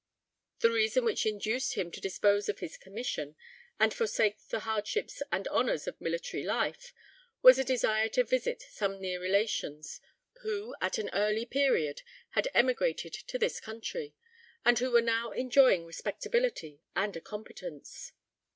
The reason which induced him to dispose of his commission, and forsake the hardships and honors of military life, was a desire to visit some near relations, who, at an early period, had emigrated to this country, and who were now enjoying respectability and a competence.